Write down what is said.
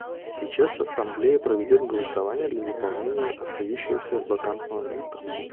Сейчас Ассамблея проведет голосование для заполнения остающегося вакантного места.